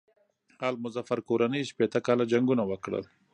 آل مظفر کورنۍ شپېته کاله جنګونه وکړل.